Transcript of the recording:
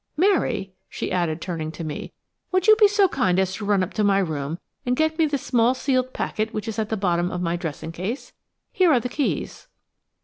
Mary," she added, turning to me, "would you be so kind as to run up to my room and get me the small sealed packet which is at the bottom of my dressing case? Here are the keys."